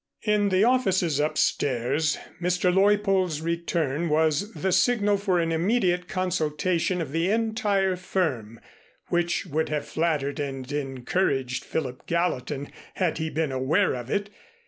In the offices upstairs, Mr. Leuppold's return was the signal for an immediate consultation of the entire firm, which would have flattered and encouraged Philip Gallatin had he been aware of it.